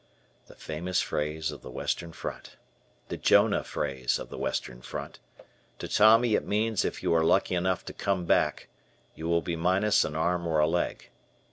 '" The famous phrase of the Western Front. The Jonah phrase of the Western Front. To Tommy it means if you are lucky enough to come back, you will be minus an arm or a leg.